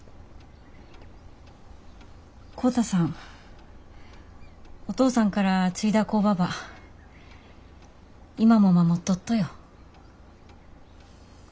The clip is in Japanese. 浩太さんお義父さんから継いだ工場ば今も守っとっとよ。